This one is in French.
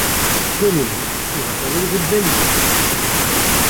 Donelly ira former le groupe Belly.